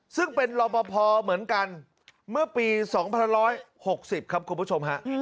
ซึ่งเป็นรอปภเหมือนกันเมื่อปี๒๑๖๐ครับคุณผู้ชมฮะ